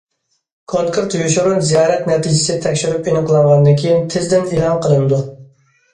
كونكرېت يوشۇرۇن زىيارەت نەتىجىسى تەكشۈرۈپ ئېنىقلانغاندىن كېيىن تېزدىن ئېلان قىلىنىدۇ.